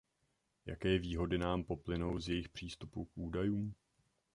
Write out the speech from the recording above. Jaké výhody nám poplynou z jejich přístupu k údajům?